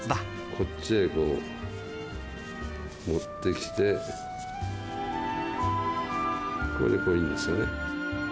こっちへこう持ってきてこれでこういいんですよね。